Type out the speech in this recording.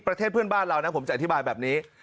ประเทศเพื่อนบ้านเรานะผมจะอธิบายแบบนี้